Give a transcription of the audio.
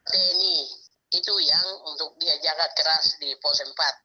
tni itu yang untuk dia jaga keras di pos empat